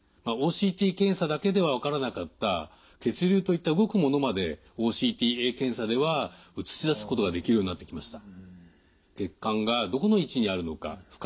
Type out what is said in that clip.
ＯＣＴ検査だけでは分からなかった血流といった動くものまでＯＣＴＡ検査では映し出すことができるようになってきました。